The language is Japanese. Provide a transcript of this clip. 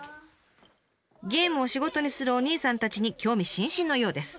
ゲームを仕事にするおにいさんたちに興味津々のようです。